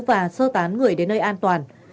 và sơ tán người đến nơi an toàn